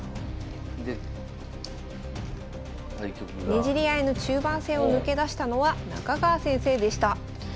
ねじり合いの中盤戦を抜け出したのは中川先生でした。